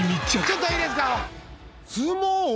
ちょっといいですか？